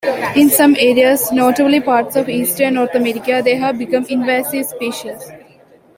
In some areas, notably parts of eastern North America, they have become invasive species.